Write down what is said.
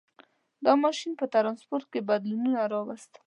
• دا ماشین په ټرانسپورټ کې بدلونونه راوستل.